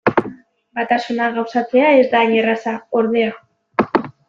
Batasuna gauzatzea ez da hain erraza, ordea.